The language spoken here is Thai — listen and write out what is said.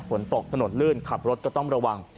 ฝนตกถนนลื่นขับรถก็ต้องระวัง